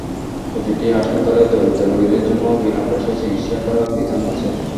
প্রতিটি হাসপাতালেই দরিদ্র রোগীদের জন্য বিনা পয়সায় চিকিৎসা করার বিধান আছে।